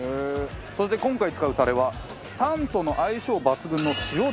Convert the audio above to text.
そして今回使うタレはタンとの相性抜群の塩ダレ。